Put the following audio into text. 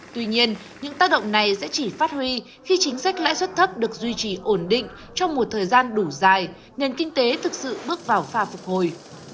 tuy nhiên những tác động này sẽ chỉ phát huy khi chính sách lãi suất thấp được duy trì ổn định trong một thời gian đủ dài nền kinh tế thực sự bước vào pha phục hồi